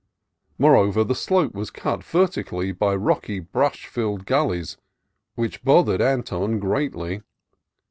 Moreover, the slope was cut vertically by rocky, brush filled gullies which both ered Anton greatly.